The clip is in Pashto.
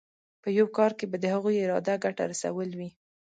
په یو کار کې به د هغوی اراده ګټه رسول وي.